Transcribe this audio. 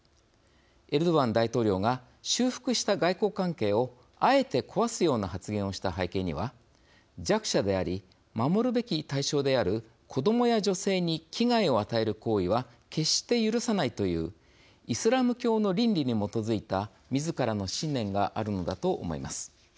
エルドアン大統領が修復した外交関係をあえて壊すような発言をした背景には弱者であり、守るべき対象である子どもや女性に危害を与える行為は決して許さないというイスラム教の倫理に基づいたみずからの信念があるのだと思います。